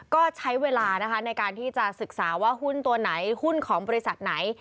ก็ใช้เวลานะคะในการที่จะศึกษาว่าหุ้นตัวไหนหุ้นของบริษัทไหน